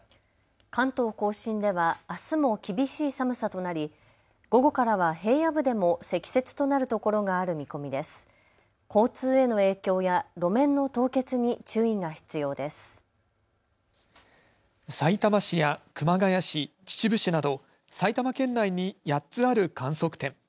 関東甲信ではあすも厳しい寒さとなり午後からは平野部でも積雪となるところがある見込みです。